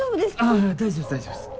ああ大丈夫です大丈夫です。